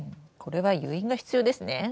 これは誘引が必要ですね。